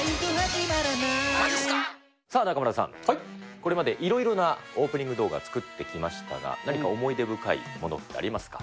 これまでいろいろなオープニング動画作ってきましたが、何か思い出深いものってありますか。